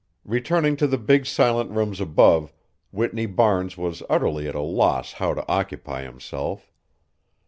Returning to the big silent rooms above, Whitney Barnes was utterly at a loss how to occupy himself.